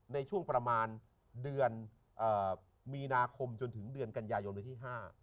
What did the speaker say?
ในช่วงประมาณเดือนมีนาคมจนถึงเดือนกันยายนเดือนที่๕